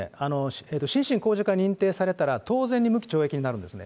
心神耗弱は認定されたら、当然、無期懲役になるんですね。